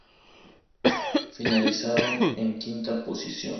Finalizaron en quinta posición.